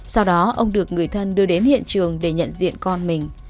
sau đó ông được người thân đưa đến hiện trường để nhận diện con mình